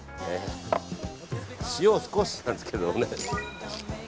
塩を少しなんですけどね。